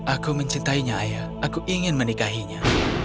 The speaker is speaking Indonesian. aku mencintainya ayah aku ingin menikahinya